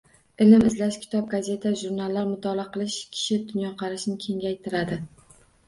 Ilm izlash, kitob, gazeta, jurnallar mutolaa qilish kishi dunyoqarashini kengaytiradi.